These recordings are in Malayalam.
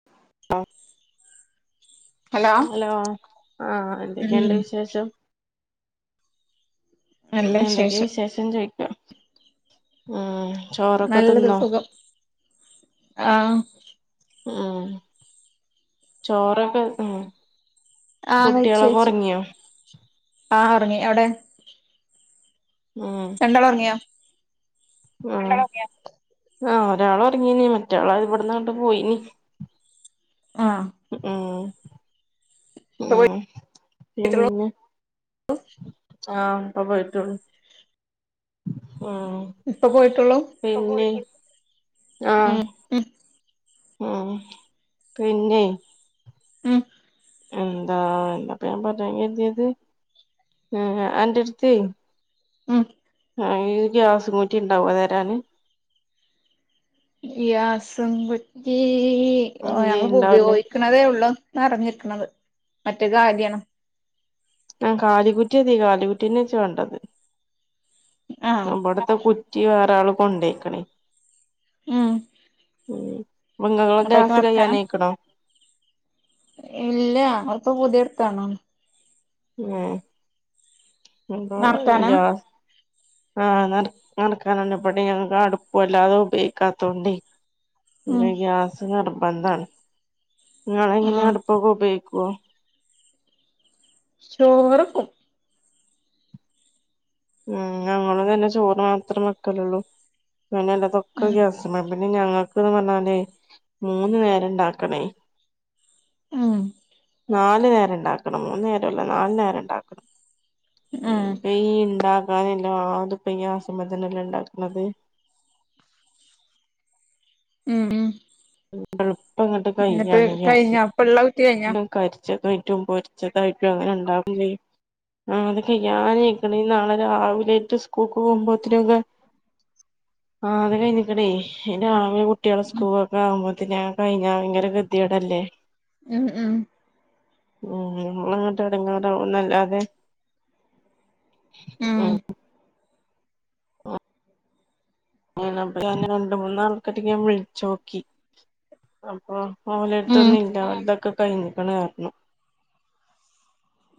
[unintelligible] ഹലോ ആഹ് എന്തൊക്കെയുണ്ട് ഉം വിശേഷം എന്തൊക്കെ വിശേഷം ചോദിക്ക ഉം. ചോറൊക്കെ നല്ലത് തിന്നോ സുഖം ആഹ് ഉം. ചോറൊക്കെ ഉം. ആഹ് കഴിച്ചു കുട്ടികളൊക്കെ കഴിച്ചു ഉറങ്ങിയോ ആഹ് ഉറങ്ങി അവിടെ. ഉം. രണ്ടാള് ഉറങ്ങിയോ. ആഹ് രണ്ടാള് ഉറങ്ങിയോ ഒരാള് ഉറങ്ങിനി മറ്റെയാള് ഇവിടന്നാണ്ട് പോയിനി. ആഹ് ഉം ഇപ്പ ഉം പോയിട്ടുള്ളൂ പിന്നെ [inaudible] ആഹ് ഇപ്പോ പോയിട്ടുള്ളു ഉം. ഇപ്പോ പോയിട്ടുള്ളൂ പിന്നെ ആഹ്. ഉം ഉം ഉം പിന്നെ. ഉം. എന്താ എന്താപ്പ ഞാൻ പറയാൻ കരുതിയത് അന്റെ അടുത്ത് ഉം ആഹ് ഗ്യാസും കൂറ്റി ഉണ്ടാവോ തരാന്. ഗ്യാസും കുറ്റി ഇയ്യ് ഞങ്ങളിപ്പോ ഇണ്ടാവുല്ലേ ഉപയോഗി ക്കുന്നതേ ഉള്ളൂ നിറഞ്ഞിരിക്കുന്നത് മറ്റേ കാലിയാണ്. ആഹ്, കാലിക്കുറ്റി യതീ കാലിക്കുറ്റിയെന്നെ, ച്ച്, വാണ്ടത്. ആഹ് ഞാൻ ബട്‌ത്തെ. കു റ്റി വേറെ. ആള്, കൊണ്ടോയ്ക്ണേ? ഉം... [unintelligible] അപ്പഴേക്ക് ആസ് നെറക്കാനാ കയ്യാനയ്ക്ണോ? ഇല്ല, ങ്ങള്, പ്പ, പുതിയട്‌ത്താണോ? ഏഹ്, ഞ്പൊ നെറക്കാനാ ഗ്യാസ്. ആഹ്, നട്‌, നട്‌ക്കാനന്നെ ബടിം ഞങ്ങക്, അടുപ്പും, വല്ലാതെ- ഉപയോഗിക്കാത്തോണ്ടെ? ഉം മ്മെ, ഗ്യാസ് നിർബന്ധാണ്. ങ്ങളെ, ങ്ങനാ ആഹ് അട്‌പ്പൊക്കെ, ഉപയോഗിക്കോ? ചോറെക്കും. ഉം, ഞങ്ങളും തന്നെ ചോറ് മാത്രം വക്കലൊള്ളൂ. പിന്നെല്ല തൊക്ക ഉം ഗ്യാസ്മ ലാ... ന്നെ, ഞങ്ങക്ക്ന്ന് പർഞ്ഞാലെ. മൂന്ന് നേരണ്ടാക്കണേ. ഉം. നാലു, നേരണ്ടാക്കണം. മൂന്നു നേരോല്ല. നാലു, നേരണ്ടാക്കണം. ഉം പൈൻ. ണ്ടാക്കാനല്ലാതുപ്പ ഈ, ഗ്യാസ്മ്മത്തന്ന ല്ലേ, ണ്ടാക്ക്ണത്. ഉം. എളുപ്പംങ്ങട്ട് എന്നിട്ട് കൈയ്യാണ് ഗ്യാസ്. കഴിഞ്ഞോ ഇപ്പള്ള കുട്ടി കഴിഞ്ഞോ ണ്ട്, കര്. ച്ചതായിട്ടും, പൊര്ച്ചതായിട്ടും, അങ്ങനെ ണ്ടാക്കും ചെയ്യും. ആഹ്, അത്, കയ്യാനയ്ക്ക്ണ്. ഇഞ് നാളെ രാവിലെറ്റെ, സ്കൂക്കോ വുമ്പൊത്തിനൊക്കെ. ആഹ്, ത്, കഴിഞ്ക്ക്ണെ. [unintelligible] കുട്ട്യാളും സ്കൂൾ. മ്പോത്തിന്, അഹ്, കഴിഞ്ഞ ഭയങ്കര കെ തിയേടല്ലേ? ഉം, ഉം, ഉം, നമ്മളങ്ങട്ട്, എടങ്ങേറാവു ന്നെല്ലാതെ? ഉം. [unintelligible] [unintelligible] രണ്ട്, മൂന്നാൾ ക്കെറ്റ ഞാൻ വിൾച്ചോക്കി. അപ്പൊ, ഓലര് ഉം ത്തൊന്നുല്ല. ഓൽതൊക്ക കഴിഞ്ക്ക്ണ്, ന്നറ്ഞ്ഞു.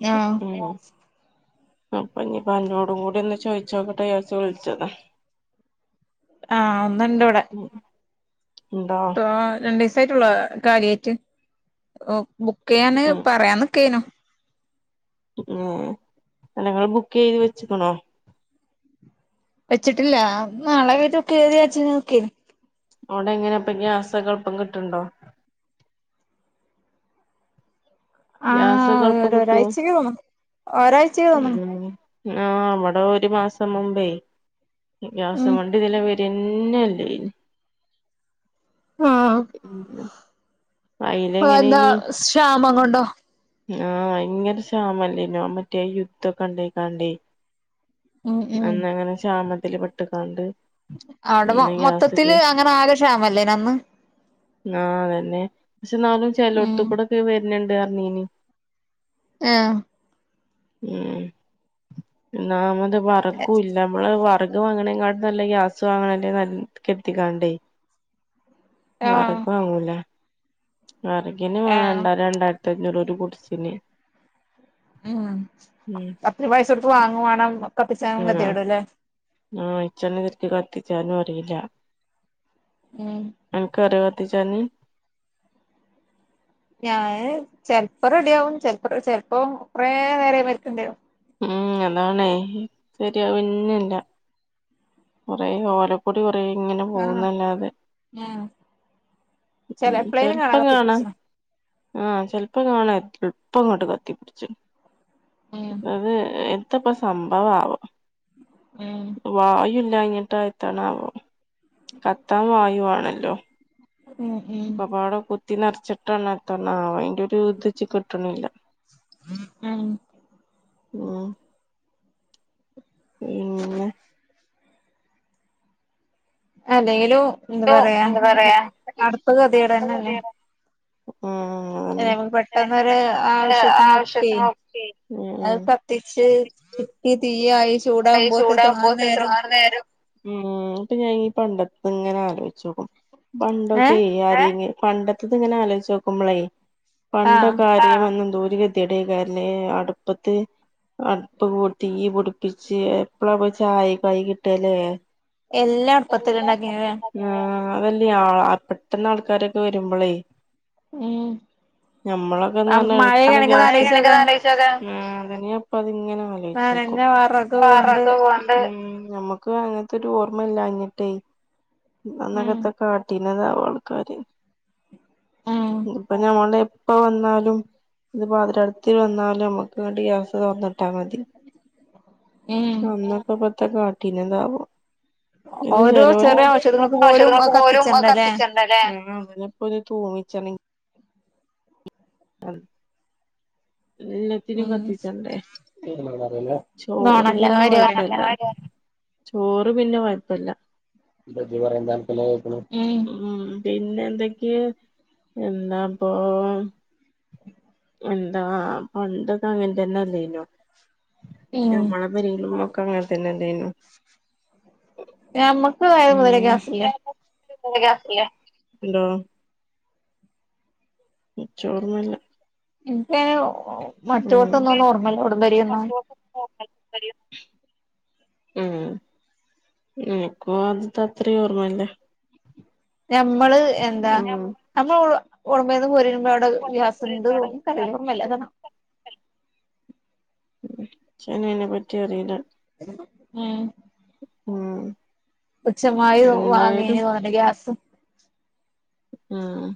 ഞാഹ്, [unintelligible] അപ്പ, ഞ്പ്പോ, അന്നോടും കൂടി ഒന്ന് ചോയ്ച്ചോക്കെട്ടെ. യാര്ച്ച്, വ്ൾച്ചതാ! ആഹ്, ഒന്നുണ്ട്. വടെ? [unintelligible] ആഹ്, രണ്ടീസായിട്ടുള്ളൂ, കാര്യായിറ്റ്, ഓ, ബുക്കയ്യാന്. ഉം പറയാനിക്കയ്നു. ഉം, എ, അല്ല, ങ്ങള്, ബുക്കെയ്ത് വെച്ച്ക്ണോ? വെച്ചിട്ടില്ല. നാളെ, കയ്ട്ട് ബൂക്കെയ്യാര്ച്ച് ങ്ങ, നിക്കേനി. ഓടെ, ങ്ങനെപ്പ, ഗ്യാസൊക്കെ ൾ, പ്പം- കിട്ട്ണ്ടോ? ഗ്യാസൊക്കെ, ൾ, ആഹ് പ്പം ഒരു കിട്ടോ? ഒരാഴ്ചക്ക് തോന്ന്ണ് ഒരാഴ്ചക്ക് തോന്ന്ണ് ഉം. ആഹ്, വടെ ഒരു, മാസം മുമ്പേ, ഉം ഗ്യാസും വണ്ടി തിലെ വര് ന്നെല്ലെനി. ആഹ് അതെന്താ അയ്ലെങ്ങനയ്നി. ക്ഷാമം കൊണ്ടോ? ആഹ്, ഭയങ്കര ഷാമല്ലേനോ, ആഹ്, മറ്റേ- യുദ്ധൊക്കെ ണ്ടായിക്കാണ്ടേ? ഉം ഉം അന്നങ്ങനെ, ക്ഷാമത്തില് പെട്ട്കാണ്ട്. അവ്ടെ, മൊ, മൊത്തത്തില്. അങ്ങനെ ആകെ, ഷാമല്ലേന. അന്ന്. ആഹ്, അതന്നെ, ഷെ, ന്നാലും. ചെലോട്‌ത്ത് ഉം ക്കൂടൊക്കെ, വര്ന്, ണ്ട്, അറ്ഞ്ഞീനി. ഏ, ഹ്. ഉം, ഒന്നാമത് വറകൂല്ല. മ്മള്, വർക് വാങ്ങ്ണെ ങ്കട്ടിലും നല്ലെ. ഗ്യാസ്, വാങ്ങ്ണല്ലെ. നൽ, കര്തി- കാണ്ടെ? ആഹ് വറക് വാങ്ങൂലെ, വറക്ന് വേണം. ആഹ് രണ്ടാരോ, രണ്ടാര്ത്തഞ്ഞൂറോ, ഒരു ഗുഡ്‌സിന്. ഉം, ഉം അത്രേം, പൈസൊട്‌ത്ത് വാങ്ങും വേണം. കത്തിച്ചാനും, കെതിയേട്‌, ലെ? ആഹ്, ഇച്ചെന്നെ, ശെരിക്ക് കത്തിച്ചാനും അറീല. ഉം അൻക്കറിയോ കത്തിച്ചാന് ഞാന് ചെൽപ്പോ റെഡിയാവും ചെൽപ്പം ചെൽപ്പോം കൊറേ നേരം അയ്മ്മേ ഇരിക്കണ്ടെരും ഉം അതാണേ ശെരിയാവെന്നെല്ല കൊറെ ഓല ക്കൊടി കൊറേ ങ്ങനെ പോകുന്നല്ലാതെ ആ ഉം ചെൽപ്പം കാണാ കത്തിപ്പിടിച്ച്ണ് ആ ചെൽപ്പം കാണാ എൾപ്പങ്ങട്ട് കത്തിപ്പിടിച്ച്ണ് ഉം അത് എത്തപ്പം സംഭവവാവോ ഉം വായു ഇല്ലാഞ്ഞിട്ട എത്താണാവോ കത്താൻ വായുവാണല്ലോ ഉം ഉം ക്കെപാടെ കുത്തി നർച്ചിട്ടാണോ എത്താണാവോ അയിന്റൊരു ഇത് ഇച്ച് കിട്ടണില്ല ഉം ഉം ഉം അല്ലെലും എന്താ പറയാ എന്താ പറയാ അട്പ്പ് ഗത്യേടെന്നല്ലേ ഉം അത് ഞമ്മക്ക് പെട്ടെന്നൊരു അതന്നെ ആവശ്യത്തിനൊക്കേ ആവശ്യത്തിനൊക്കെ ഉം ഉം അത് കത്തിച്ച് ഈ തിയ്യായി കൈ ചൂടാകുമ്പോത്ത്ന് എത്രങ്ങാനും ചൂടാകുമ്പോത്ത് നേരം എത്രങ്ങാനും നേരം ഉം അപ്പൊ ഞാൻ ഈ പണ്ടത്തത്ങ്ങനെ ആലോയ്ച്ച്ടും പണ്ടൊക്കെ ഏഹ് ആ പണ്ടത്തത്ങ്ങനെ ആലോയ്ച്ചോക്കുമ്പളേ ആഹ് പണ്ടൊക്കെ ആരേം വന്ന എന്തൊരു കെതിയേടെയ്ക്കാരല്ലെ അട്പ്പത്ത് അടുപ്പ് കൂട്ടി തീ പിടിപ്പിച്ച് എപ്പളാപ്പം ചായൊക്കായി കിട്ട ലേ എല്ലാം അട്പ്പത്തെന്നെ ഉണ്ടാക്കിനെ ലെ ആ അതല്ലേ ആ പെട്ടെന്ന് ആൾക്കാരൊക്കെ വരുമ്പളേ ഉം ഞമ്മളൊക്കെന്ന് പറഞ്ഞ മഴ എളപ്പണ്ട് കണക്കുന്ന ആലോചിച്ചോക്ക ആ അതെന്നെ ഞാപ്പത്ങ്ങനെ നനഞ്ഞ ആലോയ്ച്ചോക്കും വറൊക്കെ കൊണ്ട് ക്കും അങ്ങൻത്തൊരു ഓർമ്മല്ലാഞ്ഞിട്ടേ അന്നൊക്കെ ഉം എത്താ കാട്ടീനതാവോ ആൾക്കാര് ഉം ഇപ്പൊ ഞമ്മള് പ്പ വന്നാലും ത് പാതിരാത്രി വന്നാലും നമ്മക്കങ്ങട്ട് ഗ്യസ് തൊർന്ന്ട്ടാ മതി ഉം അന്നൊക്കെപ്പെത്താ കാട്ടീനതാവോ ഇന്ന് ഓരോ ചെലോല് ചെറിയ ഔഷധങ്ങൾക്ക് പോലും ഔഷധങ്ങക്ക് അത് പോലും കത്തിച്ചണ്ടല്ലേ കത്തിച്ചണ്ടല്ലേ തൂമ്മിച്ചണെങ്കി [unintelligible] ത്തിനും ഉം കത്തിച്ചണ്ടേ ചോറ് നോണല്ല പിന്നെ കാര്യം പറയണ കൊഴപ്പല്ല ചോറ് പിന്നെ കൊഴപ്പല്ല ഉം ഉം പിന്നെന്തൊക്കെ എന്താപ്പൊ എന്താ പണ്ടൊക്കെ അങ്ങൻത്തെന്നല്ലേന്നോ ഉം ഞമ്മളെ പെരേലും മ്മക്കെ അങ്ങൻത്തെന്നല്ലേന്നോ ഞമ്മക്ക് ആയ മുതലേ ഗ്യാസ് ല്ലേ ഗ്യാസ് ഇല്ലേ എന്തോ ഇച്ചോർമ്മല്ല ഇൻക്കയ്ന് ഉം മറ്റോട്ത്ത്ന്നൊന്നും ഓർമ്മല്ല വ്ടംവരെന്നും [unintelligible] ഉം ൻക്കും ആദ്യത്തത്രേം ഓർമ്മല്ല ഞമ്മള് എന്താ ഉം ഞമ്മള് ഉടമ്പേന്ന് പോരുമ്പോ അവടെ ഗ്യാസ്ണ്ട് തോന്ന്ണ് ക്കറീല ഓർമല്ലതൊന്നും ഇച്ചാണെ അയ്നെ പറ്റി അറീല ഉം ഉം ഉച്ഛമായി എന്തായാലും വാങ്ങന് തോന്നല് ഗ്യാസ് ഉം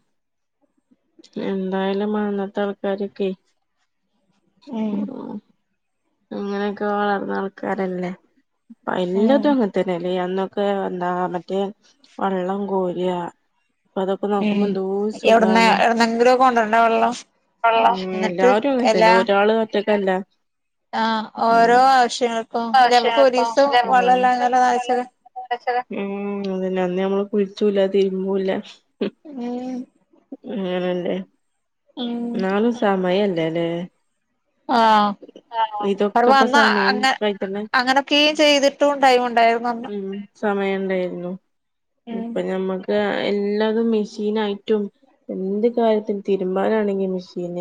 എന്തായാലും അന്നത്തെ ആൾക്കാരൊക്കെ ഉം അങ്ങനെയൊക്കെ വളർന്ന ആൾക്കാരല്ലേ ഉം എല്ലതും അങ്ങെ തന്നെ അന്നൊക്കെ എന്താ മറ്റേ വെള്ളം കോരിയാ അപ്പൊ അതൊക്കെ ഉം നോക്കുമ്പോ എന്തൂ എവിട്ന്ന് സുഖാണ് എവിട്ന്നെങ്കിലും കൊണ്ടരണ്ടേ വെള്ളം ഉം എന്നിട്ട് എല്ലാരും അങ്ങനെത്തന്നെ എല്ലാ ഒരാള് ഒറ്റക്കല്ല ആഹ് ഉം ഓരോ ആവശ്യങ്ങൾക്കും ല്ലേ നമുക്ക് ആവശ്യങ്ങൾക്കോ ഒരീസം അല്ലെ നമുക്ക് വെള്ളംല്ലഞ ഒരീസം വെള്ളം നഴച്ചക്കെ ഇല്ലാതെ ഉം അതന്നെ അന്ന് നമ്മള് കുളിച്ചൂല്ല തിരുമ്പൂല്ല ഉം അങ്ങനല്ലേ ഉം ന്നാളും സമയല്ലേല്ലേ ആഹ് അവാ ഇതൊക്കെപ്പ അന്ന് സമയം അങ്ങ കഴിക്കണ്ട അങ്ങനൊക്കെയും ചെയ്തിട്ടും ടൈമ് ഉണ്ടായിരുന്നു അന്ന് ഉം സമയം ണ്ടായിരുന്നു ഉം ഇപ്പൊ ഞമ്മക്ക് എല്ലാതും മെഷീനായിട്ടും എന്ത് കാര്യത്തിനും തിരുമ്പാനാണെങ്ക ഈ മെഷീൻ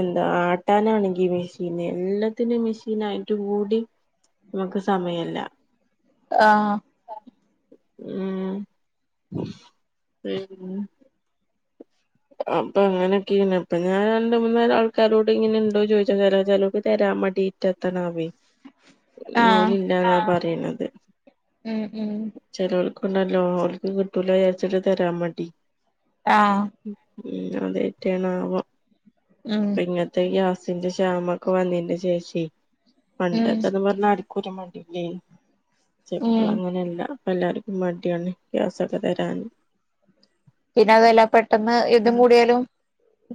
എന്താ ആട്ടാനാണെങ്കി മെഷീൻ എല്ലാത്തിനും മെഷീൻ ആയിട്ട് കൂടി മ്മക്ക് സമയല്ല ആഹ് ഉം ഉം അപ്പൊ അങ്ങനെയൊക്കെണ് ഇപ്പൊ ഞാൻ രണ്ട മൂന്നരം ആൾക്കാരോട് ഇങ്ങനെുണ്ടോ ചോദിച്ചാ ചാ ചിലോക്ക് തരാൻ മടീട്ട [unintelligible] ആഹ് ഓലില്ലാന്ന പറയുന്നത് ഉം ഉം ചിലവൾക്കുണ്ടല്ലോ ഓൽക്ക് കിട്ടൂല വിചാരിച്ചിട്ട് തരാൻ മടി ആഹ് ഉം അതറ്റെ ആണ ആവോ ഉം ഇങ്ങത്തെ ഗ്യാസിന്റെ ക്ഷാമ ഒക്കെ വന്നിന്റെ ശേഷി ഉം പണ്ടൊക്കെന്ന് പറഞ അട് കുരു മടില്ലേ ഉം ചെപ്പളം അങ്ങനെയല്ല അപ്പല്ലാർക്കും മടിയാണ് ഗ്യാസൊക്കെ തെരാന്ന് പിന്നെ അതെല്ല പെട്ടെന്ന് യുദ്ധം കൂടിയാലും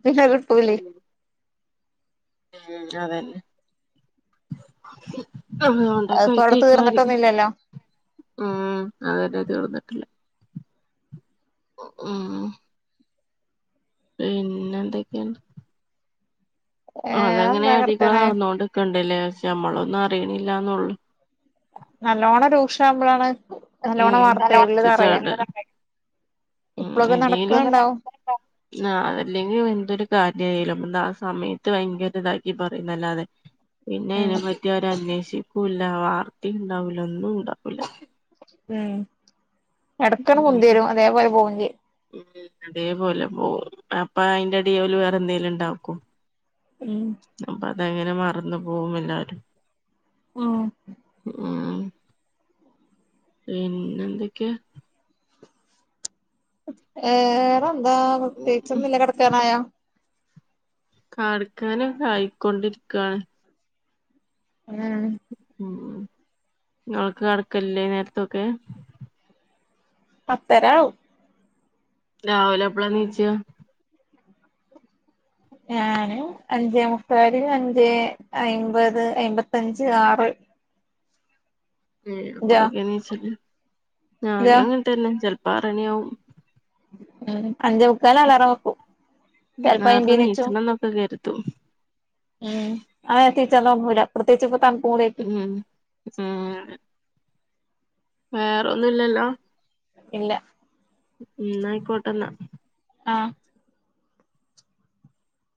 പിന്നെ കിട്ടൂല്ലേ ഉം അതന്നെ അതിപ്പോ അവിടെ അതൊണ്ടൊക്കെയിട്ടക്കാര്യം തീർന്നിട്ടൊന്നുമില്ലല്ലോ ഉം അങ്ങന്നെ തീർന്നിട്ടില്ല ഉം പിന്നെ എന്തൊക്കെണ്ട് ഏഹ് അതങ്ങനെ എന്താ അടി കൂടെ കടത്തനായ നടന്നോണ്ട് ഇരിക്കണ്ടല്ലേ ശേ മ്മളൊന്നും അറിയണില്ലന്നള്ളു നല്ലോണ്ണം രൂക്ഷ ആകുമ്പോളാണ് നല്ലോണം ഉം പൊറത്ത് വാർത്തള്ളത്റിയാം ചാടാ ഉം എന്തേലും നടക്കുന്നുണ്ടാവും [unintelligible] ആഹ് അതല്ലെങ്കിൽ എന്തൊരു കാന്ത ആ സമയത്ത് ഭയങ്കര ഇതാക്കി പറയുന്നല്ലാതെ പിന്നെ ഉം അയ്നെപ്പറ്റി അവര അന്വേഷിക്കൂല്ല വാർത്തിം ണ്ടാവൂല ഒന്നും ഉണ്ടാവൂല ഉം എടക്കണം പൊന്തി ഉം വരും അതേപോലെ പോവേം ചെയ്യും ഉം അതേപോലെ പോവും അപ്പ അയിന്റെ അടില് വേറെ എന്തേലും ണ്ടാക്കും ഉം അപ്പ അതങ്ങനെ മറന്നു പോകുല്ലാരും ഉം ഉം പിന്നെ എന്തൊക്കെ ഏറെ എന്താ ഉം പ്രത്യേകിച്ചന്നില്ല കിടക്കാനായോ കാടക്കാനുംക്ക ആയിക്കൊണ്ടിരിക്കാണ് ഉം ഉം ഇങ്ങളൊക്കെ കടക്കൽല്ലേ ഈ നേര്ത്തൊക്കെ പത്തരാവും. രാവിലെപ്പളാണീച്ചാ? ഞാന് അഞ്ചേ മുക്കാല് അഞ്ചേ അയ്മ്പത് അയ്മ്പത്തഞ്ച് ആറ്. ഏ ഇജോ അപ്പളൊക്കെണീച്ചല് ഇജോ ഞാനും അങ്ങൻത്തെന്നെ ചെൽപ്പോ ആറെ ണ്യാവും. ഉം അഞ്ചേ മുക്കാൽന് അലാറം വെക്കും ചെൽപ്പം അയ്പേനിച്ചും. ഇന്നൊക്കെ കേര് തും മ് ആ ഏര്ത്തീച്ചാനോന്നൂല പ്രത്യേകിച്ച് ഇപ്പോ തണുപ്പും കൂടായിട്ടെ. ഉം ഉം. വേറെന്നുംല്ലല്ലോ? ഇല്ല. ഇന്നായ്ക്കോട്ടെന്നാ. ആഹ്.